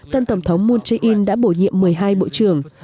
tân tổng thống moon jae in đã bổ nhiệm một mươi hai bộ trưởng